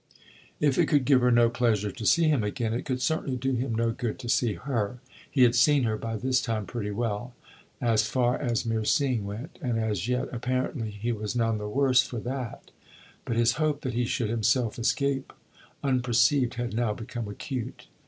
If it could give her no pleasure to see him again, it could certainly do him no good to see her. He had seen her by this time pretty well as far as mere seeing went, and as yet, apparently, he was none the worse for that; but his hope that he should himself escape unperceived had now become acute.